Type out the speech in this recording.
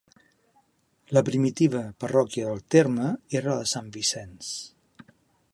La primitiva parròquia del terme era la de Sant Vicenç.